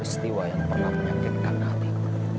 istiwa yang pernah meyakinkan hatiku